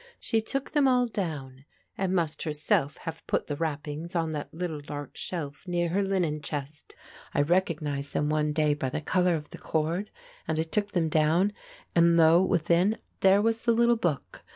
She took them all down and must herself have put the wrappings on that little dark shelf near her linen chest. I recognised them one day by the colour of the cord, and I took them down, and lo, within, there was the little book.